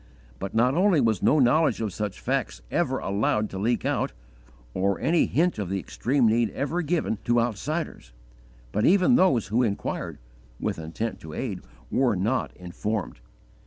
But not only was no knowledge of such facts ever allowed to leak out, or any hint of the extreme need ever given to outsiders, _but even those who inquired, with intent to aid, were not informed.